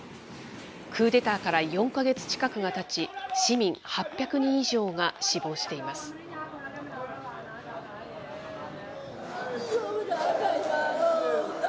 クーデターから４か月近くがたち、市民８００人以上が死亡しています。